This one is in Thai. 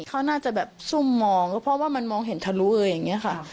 เขาน่าจะซุ่มมองเพราะว่ามันมองเห็นทะลุเลย